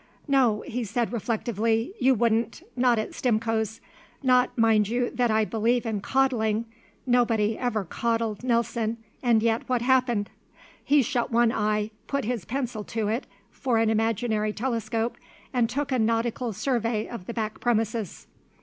"No," he said reflectively. "You wouldn't not at Stimcoe's. Not, mind you, that I believe in coddling. Nobody ever coddled Nelson, and yet what happened?" He shut one eye, put his pencil to it for an imaginary telescope, and took a nautical survey of the back premises.